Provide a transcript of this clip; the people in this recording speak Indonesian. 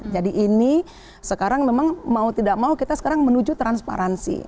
jadi ini sekarang memang mau tidak mau kita sekarang menuju transparansi